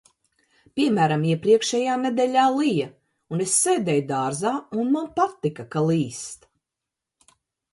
Piemēram, iepriekšējā nedēļā lija, un es sēdēju dārzā, un man patika, ka līst.